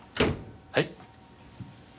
はい？